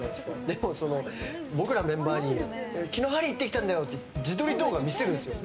でも僕らメンバーに昨日、鍼行ってきたんだよって自撮り動画を見せるんですよ。